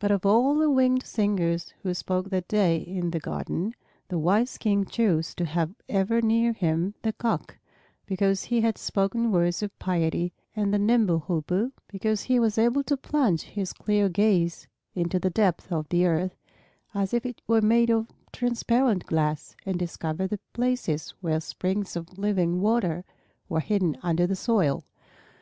But of all the winged singers who spoke that day in the garden, the wise King chose to have ever near him the Cock, because he had spoken words of piety, and the nimble Hoopoe, because he was able to plunge his clear gaze into the depths of the earth as if it were made of transparent glass and discover the places where springs of living water were hidden under the soil.